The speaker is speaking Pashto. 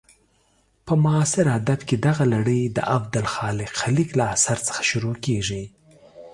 په معاصر ادب کې دغه لړۍ د عبدالخالق خلیق له اثر څخه شروع کېږي.